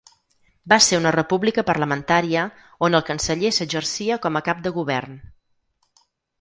Va ser una república parlamentària on el Canceller s'exercia com a Cap de Govern.